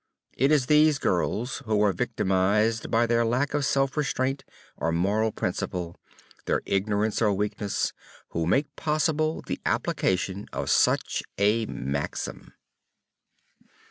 It is these girls, who are victimized by their lack of self restraint or moral principle, their ignorance or weakness, who make possible the application of such a maxim.